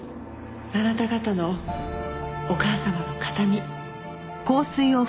あなた方のお母様の形見。